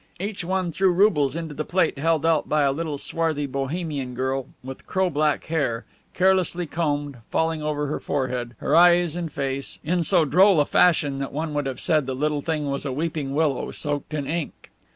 Each one threw roubles into the plate held out by a little swarthy Bohemian girl with crow black hair, carelessly combed, falling over her forehead, her eyes and her face, in so droll a fashion that one would have said the little thing was a weeping willow soaked in ink.